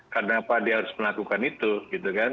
kenapa dia harus melakukan itu gitu kan